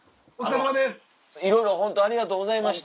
いろいろホントありがとうございました。